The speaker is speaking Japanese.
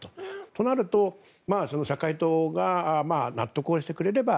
となると社会党が納得をしてくれれば